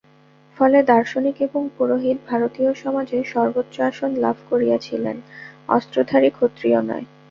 ফলে দার্শনিক এবং পুরোহিত ভারতীয় সমাজে সর্বোচ্চ আসন লাভ করিয়াছিলেন, অস্ত্রধারী ক্ষত্রিয় নয়।